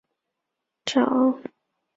曾任国防大学战略研究所长。